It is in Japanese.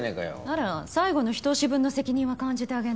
あら最後のひと押し分の責任は感じてあげないと。